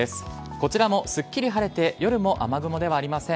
こちらもすっきり晴れて、夜も雨雲ではありません。